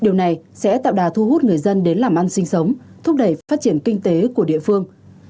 điều này sẽ tạo đà thu hút người dân đến làm ăn sinh sống thúc đẩy phát triển kinh tế của địa phương